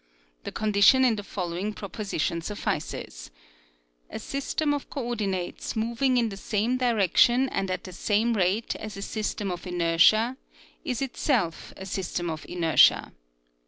The condition in the following proposition suffices: a system of coordinates moving in the same direction and at the same rate as a system of inertia is itself a system of inertia.